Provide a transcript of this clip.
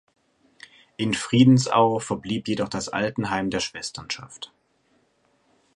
In Friedensau verblieb jedoch das Altenheim der Schwesternschaft.